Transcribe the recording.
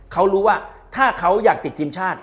เขารู้ว่าถ้าเขาอยากติดทีมชาติ